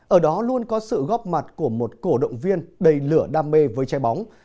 ở đó luôn có sự góp mặt của một cổ động viên đầy lửa đam mê với trái bóng